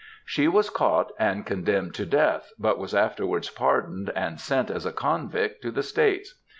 She was caught and condemned to death, bat was afterwards pardoned and sent as a convict to the States.